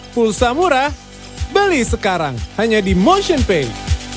pulsa murah beli sekarang hanya di motionpay